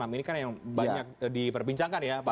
ini kan yang banyak diperbincangkan ya pak